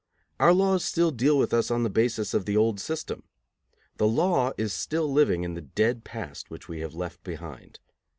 Our laws still deal with us on the basis of the old system. The law is still living in the dead past which we have left behind.